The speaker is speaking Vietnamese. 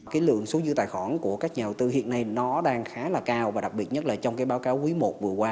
cái lượng số dư tài khoản của các nhà đầu tư hiện nay nó đang khá là cao và đặc biệt nhất là trong cái báo cáo quý i vừa qua